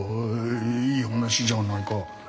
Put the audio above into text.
いい話じゃないか。